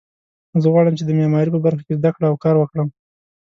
زه غواړم چې د معماري په برخه کې زده کړه او کار وکړم